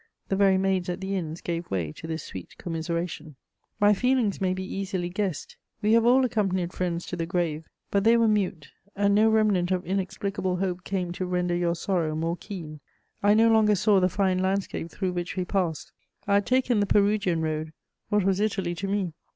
The very maids at the inns gave way to this sweet commiseration. [Sidenote: Mournful days.] My feelings may be easily guessed: we have all accompanied friends to the grave, but they were mute, and no remnant of inexplicable hope came to render your sorrow more keen. I no longer saw the fine landscape through which we passed. I had taken the Perugian road: what was Italy to me?